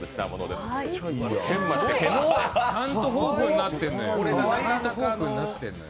すごっ、ちゃんとフォークになってるのよ。